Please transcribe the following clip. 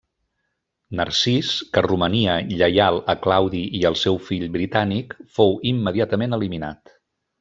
Narcís, que romania lleial a Claudi i al seu fill Britànic, fou immediatament eliminat.